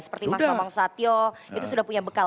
seperti mas mabang satyo itu sudah punya bekal